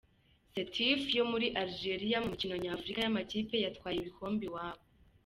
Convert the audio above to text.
Sétif yo muri Algeria mu mikino nyafurika y’amakipe yatwaye ibikombe iwabo.